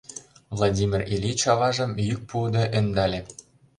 Владимир Ильич аважым йӱк пуыде ӧндале.